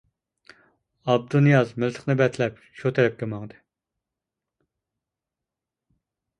ئابدۇنىياز مىلتىقنى بەتلەپ شۇ تەرەپكە ماڭدى.